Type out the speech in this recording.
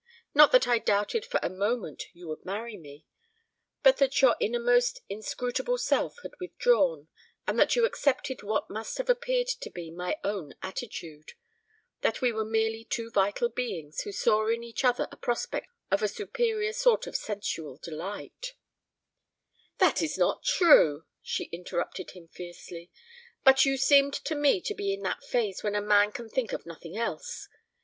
Not that I doubted for a moment you would marry me, but that your innermost inscrutable self had withdrawn, and that you accepted what must have appeared to be my own attitude that we were merely two vital beings, who saw in each other a prospect of a superior sort of sensual delight " "That is not true," she interrupted him fiercely. "But you seemed to me to be in that phase when a man can think of nothing else.